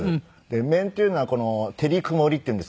面っていうのはこの照り曇りっていうんですけど。